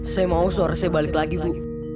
saya mau suara saya balik lagi bu